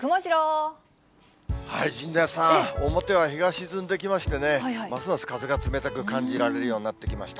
陣内さん、表は日が沈んできましてね、ますます風が冷たく感じられるようになってきました。